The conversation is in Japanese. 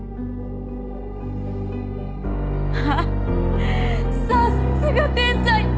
あっさっすが天才！